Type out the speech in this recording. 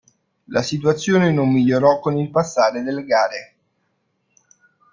La situazione non migliorò con il passare delle gare.